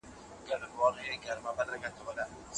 حق به يوه ورځ پر ټولي نړۍ واکمن سي.